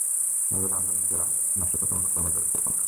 তাই বলে আমরা নিজেরা নাশকতামূলক কর্মে জড়িয়ে পড়ব না।